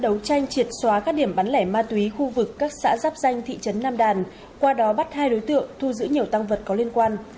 đấu tranh triệt xóa các điểm bán lẻ ma túy khu vực các xã giáp danh thị trấn nam đàn qua đó bắt hai đối tượng thu giữ nhiều tăng vật có liên quan